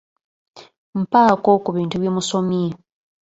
Mpaako ku bintu bye musomye.